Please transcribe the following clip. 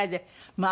まあ